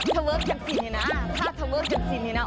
ท่าเทเวิร์กจากสิ่งนี้นะท่าเทเวิร์กจากสิ่งนี้นะ